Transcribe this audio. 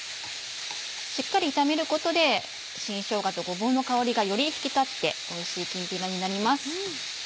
しっかり炒めることで新しょうがとごぼうの香りがより引き立っておいしいきんぴらになります。